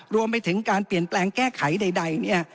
รวมไปถึงการเปลี่ยนแปลงแก้ไขใดเนี่ย